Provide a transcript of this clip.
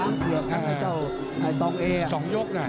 นี่คือยอดมวยแท้รักที่ตรงนี้ครับ